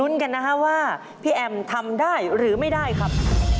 อีกแล้วอีกแล้วอีกแล้ว